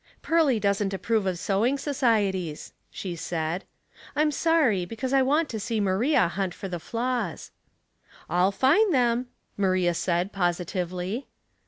" Pearly doesn't approve of sewing societies," she said. " I'm sorry, because I want to see Maria hunt for the flaws." '^ril find them," Maria said, positively.